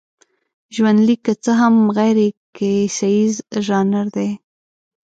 ژوندلیک که څه هم غیرکیسیز ژانر دی.